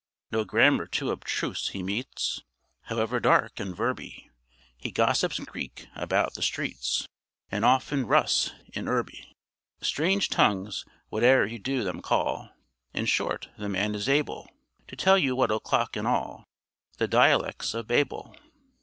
No grammar too abstruse he meets, However dark and verby; He gossips Greek about the streets And often Russ in urbe. Strange tongues whate'er you do them call; In short, the man is able To tell you what o'clock in all The dialects of Babel.